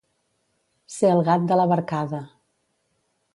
Ser el gat de la barcada.